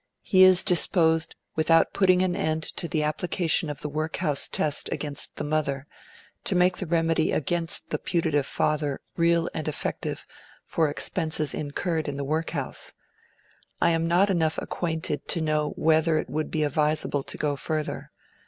He is disposed, without putting an end to the application of the workhouse test against the mother, to make the remedy against the putative father "real and effective" for expenses incurred in the workhouse. I am not enough acquainted to know whether it would be advisable to go further.